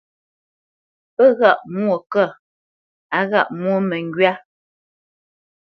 Pə́ ghâʼ mwô kə́, á ghâʼ mwô məŋgywá.